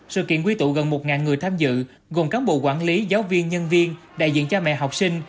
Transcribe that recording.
sự kiện quy tụ gần một người tham dự gồm cán bộ quản lý giáo viên nhân viên đại diện cha mẹ học sinh